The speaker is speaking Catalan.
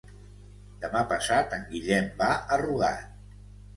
Demà passat en Guillem va a Rugat.